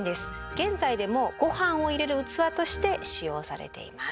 現在でもごはんを入れる器として使用されています。